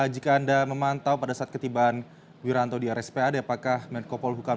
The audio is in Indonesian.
jika anda memantau pada saat ketibaan wiranto di rspad apakah menko polhukam